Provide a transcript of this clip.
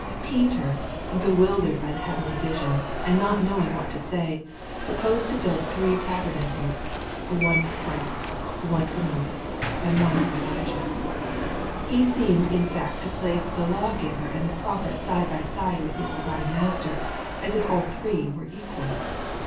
Peter, bewildered by the heavenly vision, and not knowing what to say, proposed to build three tabernacles, one for Christ, one for Moses, and one for Elijah. He seemed in fact to place the law giver and the prophet side by side with his divine Master, as if all three were equal.